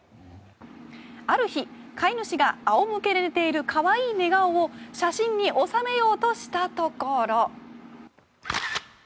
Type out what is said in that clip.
ある日、飼い主が仰向けで寝ている可愛い寝顔を写真に収めようとしたところ。